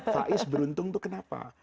faiz beruntung itu kenapa